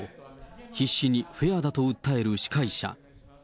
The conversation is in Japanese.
必死にフェアだと訴える司会者。